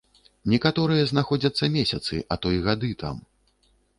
Некаторыя знаходзяцца месяцы, а то і гады там.